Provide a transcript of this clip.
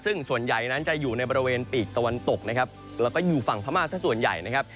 ซึ่งส่วนใหญ่จะอยู่ในบริเวณปีกตะวันตกและก็อยู่ฝั่งภามาสเกิดใหญ่นะครับ